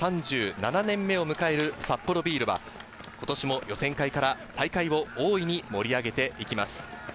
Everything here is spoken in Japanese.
３７年目を迎えるサッポロビールは今年も予選会から大会を大いに盛り上げていきます。